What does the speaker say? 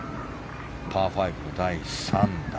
パー５の第３打。